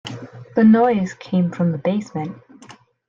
The noise came from the basement.